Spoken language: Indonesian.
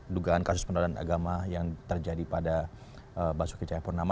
dugaan kasus penodaan agama yang terjadi pada basuh kece purnama